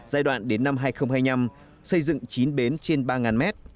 giai đoạn đến năm hai nghìn hai mươi năm xây dựng chín bến trên ba mét